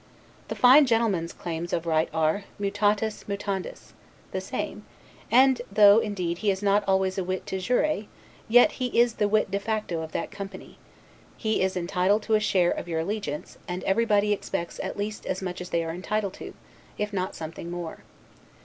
The fine gentleman's claims of right are, 'mutatis mutandis', the same; and though, indeed, he is not always a wit 'de jure', yet, as he is the wit 'de facto' of that company, he is entitled to a share of your allegiance, and everybody expects at least as much as they are entitled to, if not something more.